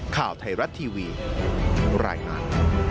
ข่าวไทยรัฐทีวีไลนาน